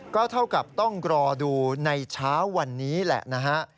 ก็เท่ากับต้องรอดูในเช้าวันนี้แหละนะฮะ